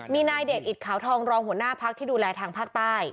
มีนายเดชอิตขาวทองรองหัวหน้าพักที่ดูแลทางภาคใต้